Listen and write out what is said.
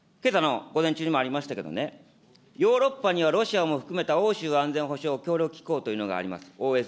けさの午前中にもありましたけどね、ヨーロッパにはロシアも含めた欧州安全保障協力機構というのがあります。